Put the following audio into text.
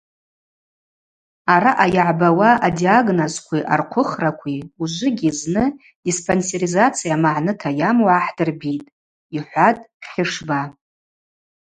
Араъа йыгӏбауа адиагнозкви архъвыхракви ужвыгьи зны диспансеризация магӏныта йаму гӏахӏдырбитӏ, – йхӏватӏ Хьышба.